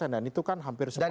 dan itu kan hampir sebarang